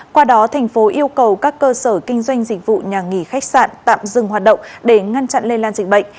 qua đó thành phố yêu cầu các cơ sở kinh doanh dịch vụ nhà nghỉ khách sạn tạm dừng hoạt động để ngăn chặn lây lan dịch bệnh